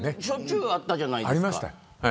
しょっちゅうあったじゃないですか。